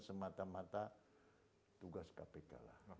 semata mata tugas kpk